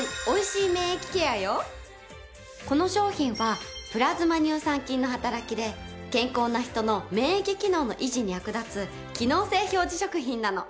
この商品はプラズマ乳酸菌の働きで健康な人の免疫機能の維持に役立つ機能性表示食品なの。